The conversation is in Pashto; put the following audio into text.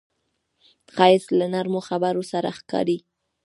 ښایست له نرمو خبرو سره ښکاري